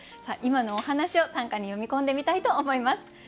さあ今のお話を短歌に詠み込んでみたいと思います。